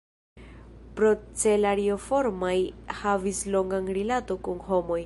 Procelarioformaj havis longan rilato kun homoj.